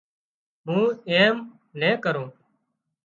مون ايم نين ڪرون